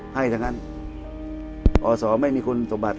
ให้ตั้งงั้นอศมีคนสงบัติ